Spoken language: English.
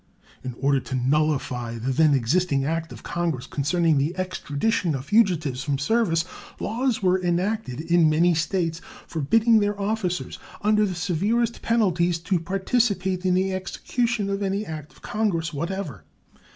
In order to nullify the then existing act of Congress concerning the extradition of fugitives from service, laws were enacted in many States forbidding their officers, under the severest penalties, to participate in the execution of any act of Congress whatever.